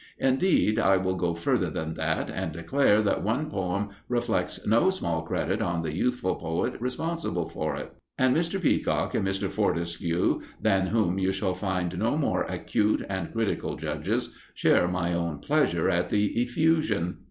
Indeed, I will go further than that, and declare that one poem reflects no small credit on the youthful poet responsible for it; and Mr. Peacock and Mr. Fortescue, than whom you shall find no more acute and critical judges, share my own pleasure at the effusion."